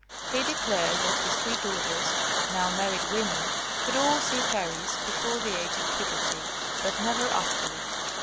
He declared that his three daughters, now married women, could all see fairies before the age of puberty, but never after it.